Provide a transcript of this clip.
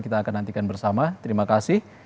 kita akan nantikan bersama terima kasih